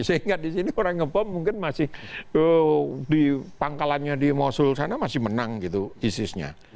sehingga di sini orang ngebom mungkin masih di pangkalannya di mosul sana masih menang gitu isisnya